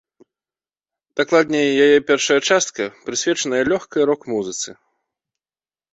Дакладней, яе першая частка, прысвечаная лёгкай рок-музыцы.